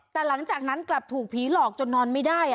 แต่หลังจากนั้นกลับถูกผีหลอกจนนอนไม่ได้